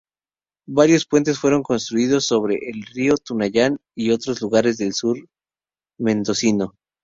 Varios puentes fueron construidos sobre el río Tunuyán y otros lugares del sur mendocino.